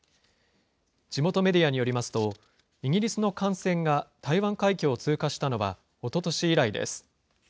地元メディアによりますと、イギリスの艦船が台湾海峡を通過したのはおととし以来です。